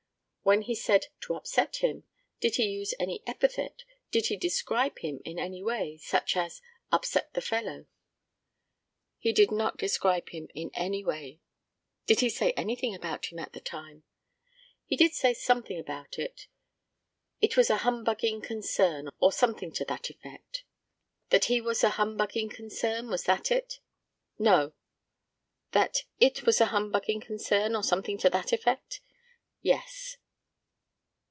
When he said 'to upset him,' did he use any epithet; did he describe him in any way, such as 'upset the fellow?' He did not describe him in any way. Did he say anything about him at the time? He did say something about it; 'it was a humbugging concern,' or something to that effect. That he was a humbugging concern, was that it? No. That 'it was a humbugging concern,' or something to that effect? Yes."